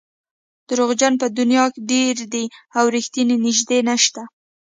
دروغجن په دنیا کې ډېر دي او رښتیني نژدې نشته.